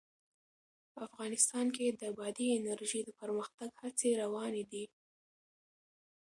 افغانستان کې د بادي انرژي د پرمختګ هڅې روانې دي.